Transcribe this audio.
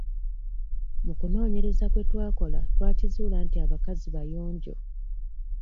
Mu kunoonyereza kwe twakola twakizuula nti abakazi bayonjo.